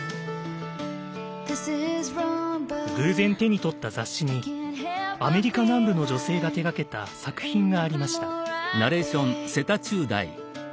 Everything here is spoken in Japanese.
偶然手に取った雑誌にアメリカ南部の女性が手がけた作品がありました。